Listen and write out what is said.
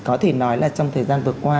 có thể nói là trong thời gian vừa qua